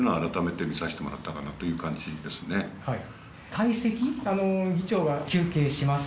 退席議長が休憩します